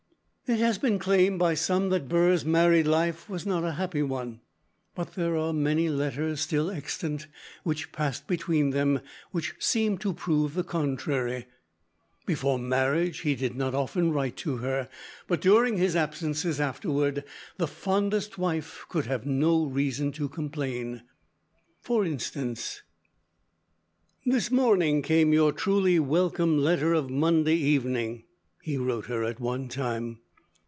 It has been claimed by some that Burr's married life was not a happy one, but there are many letters still extant which passed between them which seemed to prove the contrary. Before marriage he did not often write to her, but during his absences afterward, the fondest wife could have no reason to complain. For instance: "This morning came your truly welcome letter of Monday evening," he wrote her at one time.